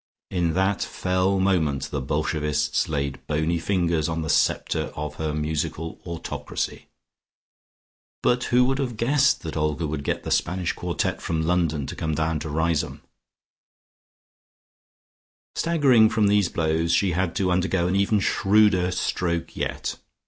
In that fell moment the Bolshevists laid bony fingers on the sceptre of her musical autocracy.... But who would have guessed that Olga would get the Spanish Quartet from London to come down to Riseholme? Staggering from these blows, she had to undergo an even shrewder stroke yet.